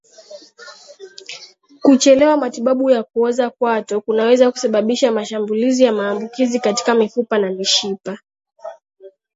Kuchelewa matibabu ya kuoza kwato kunaweza kusababisha mashambulizi ya maambukizi katika mifupa na mishipa